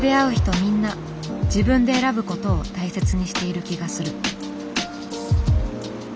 みんな自分で選ぶことを大切にしている気がする。